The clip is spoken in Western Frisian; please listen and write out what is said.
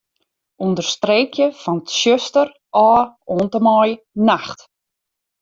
Understreekje fan 'tsjuster' ôf oant en mei 'nacht'.